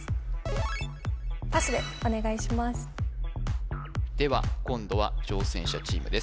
これでは今度は挑戦者チームです